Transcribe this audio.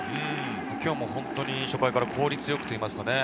今日も初回から効率よくといいますかね。